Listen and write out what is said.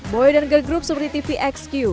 boyo dan girl group seperti tvxq